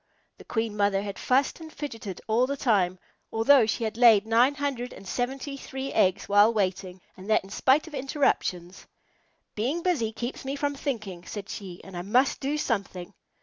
The Queen Mother had fussed and fidgeted all the time, although she had laid nine hundred and seventy three eggs while waiting, and that in spite of interruptions. "Being busy keeps me from thinking," said she, "and I must do something."